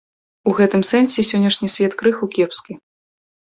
У гэтым сэнсе сённяшні свет крыху кепскі.